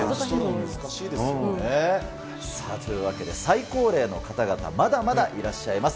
難しいです。というわけで、最高齢の方々、まだまだいらっしゃいます。